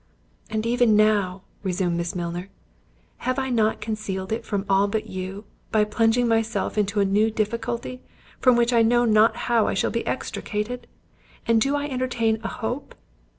"And even now," resumed Miss Milner, "have I not concealed it from all but you, by plunging myself into a new difficulty, from which I know not how I shall be extricated? And do I entertain a hope?